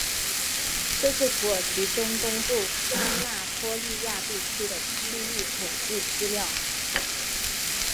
这是土耳其中东部安那托利亚地区的区域统计资料。